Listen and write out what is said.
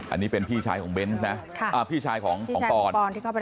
อันนี้เป็นพี่ชายของปอนที่เขาไปทำร้าย